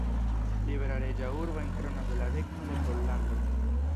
Libera reĝa urbo en Krono de la Regno de Pollando.